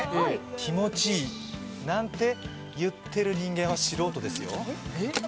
気持ちいい。なんて言ってる人間は素人ですよ。